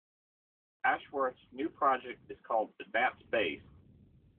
Ashworth's new project is called Advance Base.